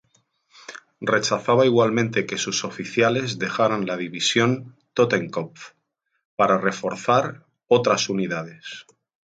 Rechazaba igualmente que sus oficiales dejaran la división "Totenkopf" para reforzar otras unidades.